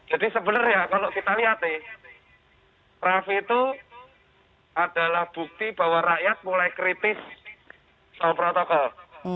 jadi sebenarnya kalau kita lihat nih rafi itu adalah bukti bahwa rakyat mulai kritis soal protokol